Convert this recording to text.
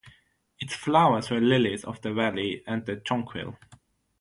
Its flowers were Lilies of the Valley and the Jonquil.